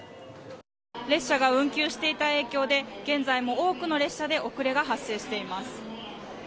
列車が運休していた影響で現在も、多くの列車で遅れが発生しています。